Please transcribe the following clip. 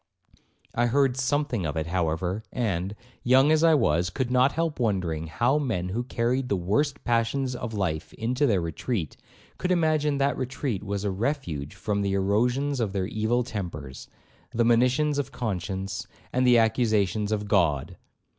I heard something of it, however, and, young as I was, could not help wondering how men who carried the worst passions of life into their retreat, could imagine that retreat was a refuge from the erosions of their evil tempers, the monitions of conscience, and the accusations of God.